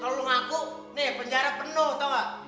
kalau lo ngaku nih penjara penuh tau gak